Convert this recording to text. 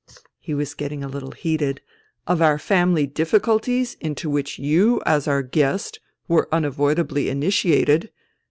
(he was getting a little heated) " of our family difficulties into which you, as our guest, were unavoidably initiated